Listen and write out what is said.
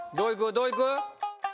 どういく？